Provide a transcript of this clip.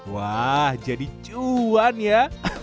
wah jadi cuan ya